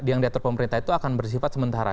yang diatur pemerintah itu akan bersifat sementara